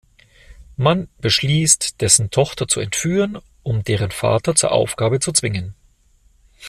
Man beschließt, dessen Tochter zu entführen, um deren Vater zur Aufgabe zu zwingen.